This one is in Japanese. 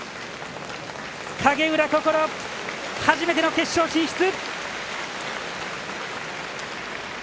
影浦心、初めての決勝進出！